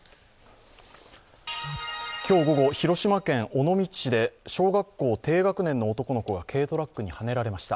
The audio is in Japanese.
今日午後、広島県尾道市で小学校低学年の男の子が軽トラックにはねられました。